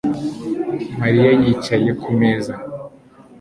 Mariya yicaye ku meza